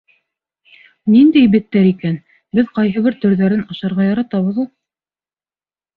— Ниндәй беттәр икән, беҙ ҡайһы бер төрҙәрен ашарға яратабыҙ ул.